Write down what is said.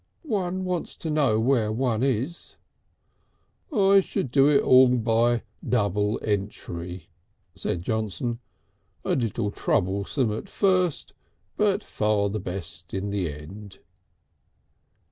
"One wants to know where one is." "I should do it all by double entry," said Johnson. "A little troublesome at first, but far the best in the end."